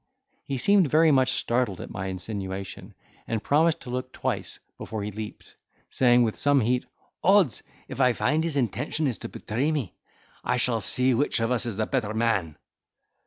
He seemed very much startled at my insinuation, and promised to look twice before he leaped; saying, with some heat, "Odds, if I find his intention is to betray me, we shall see which of us is the better man."